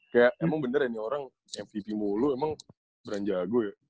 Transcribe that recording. kayak emang bener ya nih orang mvp mulu emang berani jago ya